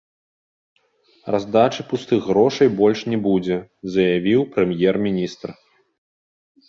Раздачы пустых грошай больш не будзе, заявіў прэм'ер-міністр.